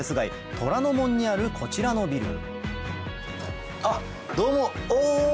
虎ノ門にあるこちらのビルどうもお！